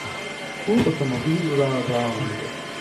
او اتومبیل را راند.